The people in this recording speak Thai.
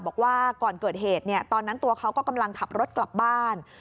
บอกว่าก่อนเกิดเหตุตอนนั้นตัวเขาก็กำลังขับรถกลับบ้าน